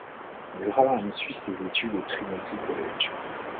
Graham suit ses études au Trinity Colledge.